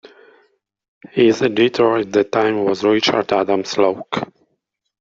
His editor at the time was Richard Adams Locke.